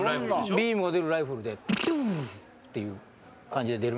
ビームが出るライフルでピュルルルンって感じで出る。